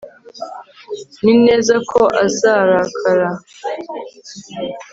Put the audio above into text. nzi neza ko azarakara